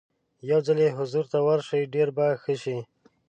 یو ځل یې حضور ته ورشئ ډېر به ښه شي.